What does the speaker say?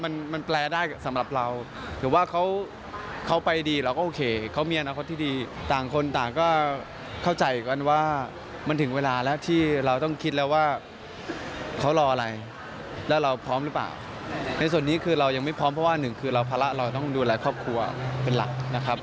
ในส่วนนี้คือเรายังไม่พร้อมเพราะว่าหนึ่งคือเราภาระเราต้องดูแลครอบครัวเป็นหลักนะครับ